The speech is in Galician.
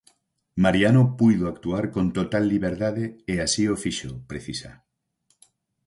"Mariano puido actuar con total liberdade e así o fixo", precisa.